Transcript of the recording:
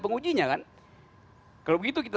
pengujinya kan kalau begitu kita